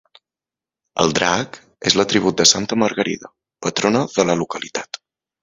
El drac és l'atribut de santa Margarida, patrona de la localitat.